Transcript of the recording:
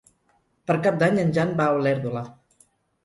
Per Cap d'Any en Jan va a Olèrdola.